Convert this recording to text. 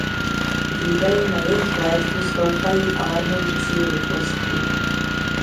Výdaje na jejich léčbu stoupají alarmující rychlostí.